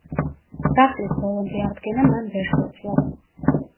სახლის ბოლომდე აღდგენა მან ვერ შეძლო.